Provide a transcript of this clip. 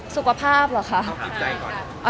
สุขภาพเหรอคะ